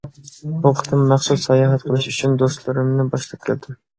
بۇ قېتىم مەخسۇس ساياھەت قىلىش ئۈچۈن دوستلىرىمنى باشلاپ كەلدىم.